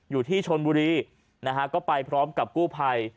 อยู่ที่ชนบุรีนะฮะก็ไปพร้อมกับกู้ภัย